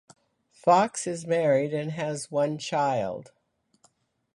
Fox is married and has one child.